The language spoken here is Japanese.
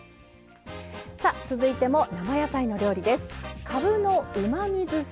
さあ続いても生野菜の料理です。